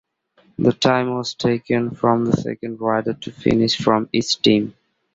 The time was taken from the second rider to finish from each team.